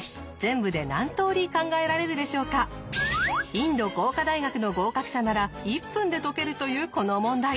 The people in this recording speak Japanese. インド工科大学の合格者なら１分で解けるというこの問題。